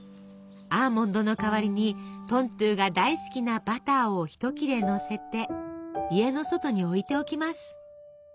アーモンドの代わりにトントゥが大好きなバターをひと切れのせて家の外に置いておきます。